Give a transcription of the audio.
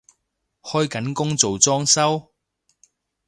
開緊工做裝修？